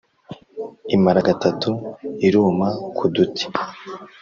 Imara gatatu iruma ku duti !